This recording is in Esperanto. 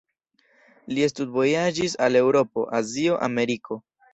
Li studvojaĝis al Eŭropo, Azio, Ameriko.